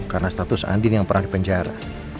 karena status andin yang pernah di penjara